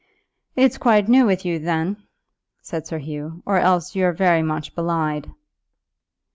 "It's quite new with you, then," said Sir Hugh, "or else you're very much belied."